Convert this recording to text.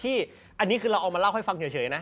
อันนี้คือเราเอามาเล่าให้ฟังเฉยนะ